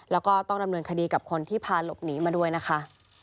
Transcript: แล้วก็ต้องดำเนินคดีกับคนที่พาหลบหนีมาด้วยนะคะ